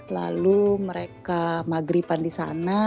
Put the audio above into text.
lalu mereka maghripan di sana